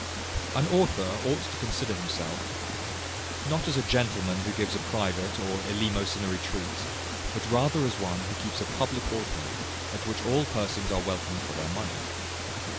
An author ought to consider himself, not as a gentleman who gives a private or eleemosynary treat, but rather as one who keeps a public ordinary, at which all persons are welcome for their money.